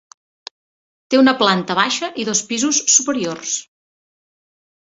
Té una planta baixa i dos pisos superiors.